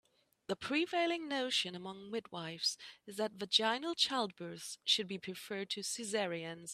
The prevailing notion among midwifes is that vaginal childbirths should be preferred to cesareans.